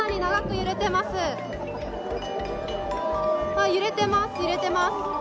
揺れてます、揺れてます。